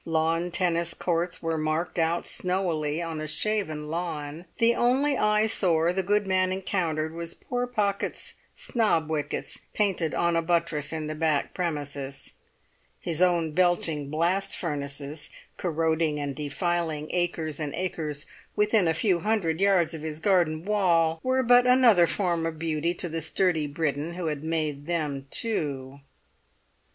Lawn tennis courts were marked out snowily on a shaven lawn; the only eyesore the good man encountered was poor Pocket's snob wickets painted on a buttress in the back premises; his own belching blast furnaces, corroding and defiling acres and acres within a few hundred yards of his garden wall, were but another form of beauty to the sturdy Briton who had made them too.